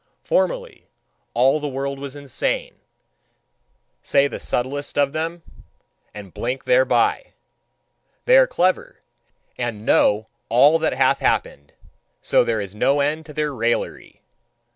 "Formerly all the world was insane," say the subtlest of them, and blink thereby. They are clever and know all that hath happened: so there is no end to their raillery.